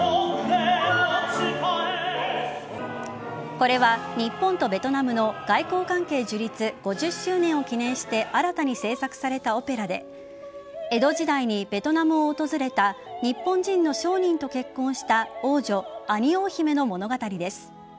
これは、日本とベトナムの外交関係樹立５０周年を記念して新たに制作されたオペラで江戸時代にベトナムを訪れた日本人の商人と結婚した王女・アニオー姫の物語です。